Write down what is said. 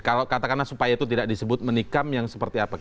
kalau katakanlah supaya itu tidak disebut menikam yang seperti apa